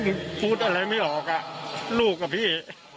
เพราะผมพูดอะไรไม่ออกลูกกับพี่